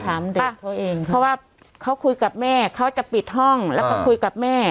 ต้องถามเด็กเขาเองเพราะว่าเขาคุยกับแม่เขาจะปิดห้องแล้วก็คุยกับแม่